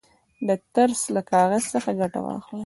د ترس له کاغذ څخه ګټه واخلئ.